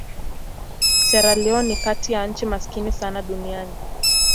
Sierra Leone ni kati ya nchi maskini sana duniani.